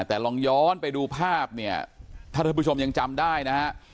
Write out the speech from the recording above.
แต่ลองย้อนไปดูภาพเนี่ยถ้าท่านผู้ชมยังจำได้นะฮะ